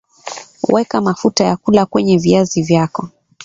weka mafuta ya kula kwenye viazi vyako